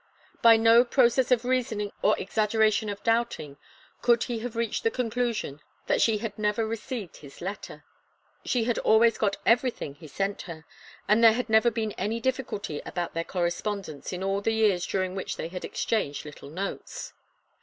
By no process of reasoning or exaggeration of doubting could he have reached the conclusion that she had never received his letter. She had always got everything he sent her, and there had never been any difficulty about their correspondence in all the years during which they had exchanged little notes.